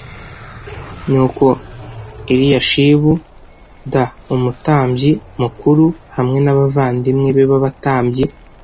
Nuko Eliyashibu d umutambyi mukuru hamwe n abavandimwe be b abatambyi